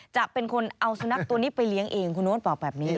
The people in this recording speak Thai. จะเป็นคนเอาสุนัขตัวนี้ไปเลี้ยงเองคุณโน๊ตบอกแบบนี้